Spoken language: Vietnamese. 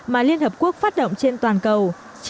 mà liên hợp quốc phát động trên toàn cầu